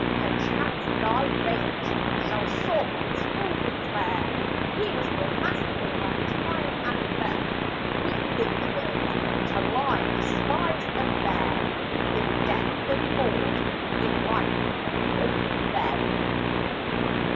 Perchance thy rage shall sob its full despair :" He was more masterful than Time and fell, Weak in the world, to lie despised and bare In death a chord, in life a broken bell."